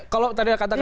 kalau tadi yang katakan